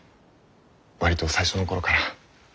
割と最初の頃から。